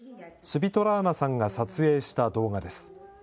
スヴィトラーナさんが撮影した動画です。